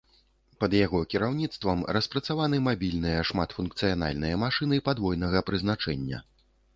Пад яго кіраўніцтвам распрацаваны мабільныя шматфункцыянальныя машыны падвойнага прызначэння.